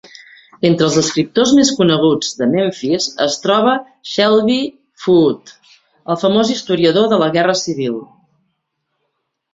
Entre els escriptors més coneguts de Memphis es troba Shelby Foote, el famós historiador de la Guerra Civil.